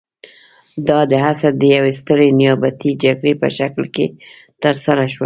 دا د عصر د یوې سترې نیابتي جګړې په شکل کې ترسره شوه.